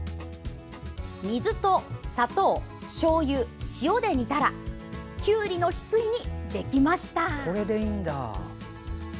水と砂糖、しょうゆ、塩で煮たらきゅうりのヒスイ煮、できました。